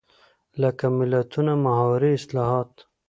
لکه متلونه، محاورې ،اصطلاحات